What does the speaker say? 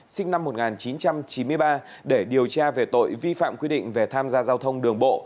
sinh năm một nghìn chín trăm chín mươi ba để điều tra về tội vi phạm quy định về tham gia giao thông đường bộ